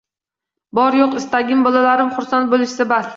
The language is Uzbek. Bor-yo`q istagim bolalarim xursand bo`lishsa, bas